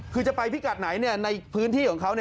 คือจะไปพิกัดไหนในพื้นที่ของเขา